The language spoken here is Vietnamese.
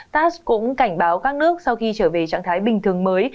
tass cũng cảnh báo các nước sau khi trở về trạng thái bình thường mới